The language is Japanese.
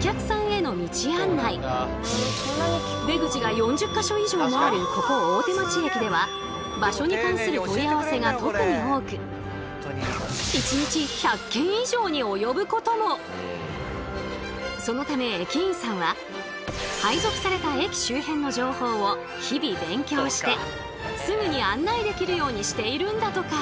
出口が４０か所以上もあるここ大手町駅では場所に関する問い合わせが特に多くそのため駅員さんは配属された駅周辺の情報を日々勉強してすぐに案内できるようにしているんだとか。